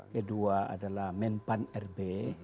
kedua adalah men pan r b